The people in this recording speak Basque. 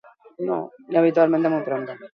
Erreka haizea idatzi du.